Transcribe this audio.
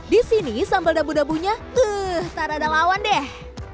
di sini sambal dabu dabunya tak ada lawan deh